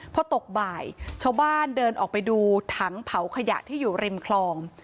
พอตกบ่ายชาวบ้านเดินออกไปดูถังเผาขยะที่อยู่ริมคลอง